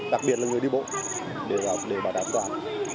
đặc biệt là người đi bộ để bảo đảm toàn